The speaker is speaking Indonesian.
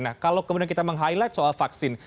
nah kalau kemudian kita meng highlight soal vaksin